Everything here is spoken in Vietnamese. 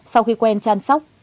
sau khi quen trang sóc